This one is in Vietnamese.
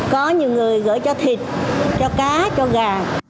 có nhiều người gửi cho thịt cho cá cho gà